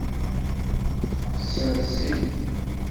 Tesens-it.